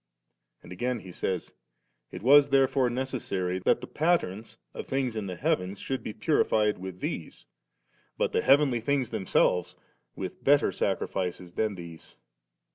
And again he says, 'It was therefore necessary that the patterns of things in the heavens should be piuified with these ; but the heavenly things themselves with better sacri fices than these